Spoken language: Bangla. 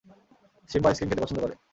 সিম্বা আইসক্রিম খেতে পছন্দ করে!